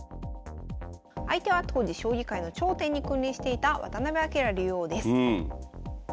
相手は当時将棋界の頂点に君臨していた渡辺明竜王です。